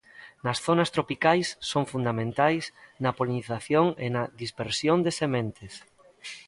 Nas zonas tropicais son fundamentais na polinización e na dispersión de sementes.